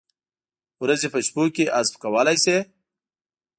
ورځې په شپو کې حذف کولای شي؟